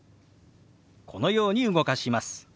このように動かします。